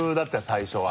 最初は。